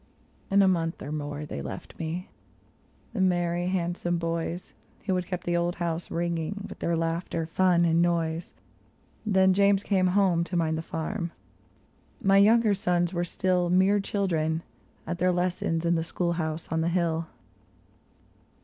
In a month or more they left me — the merry, handsome boys, Who had kept the old house ringing with their laughter, fun, and noise. Then James came home to mind the farm ; my younger sons were still Mere children, at their lessons in the school house on the hill.